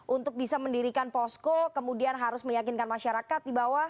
untuk bisa mendirikan posko kemudian harus meyakinkan masyarakat di bawah